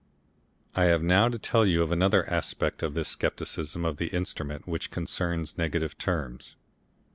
I have now to tell you of another aspect of this scepticism of the instrument which concerns negative terms.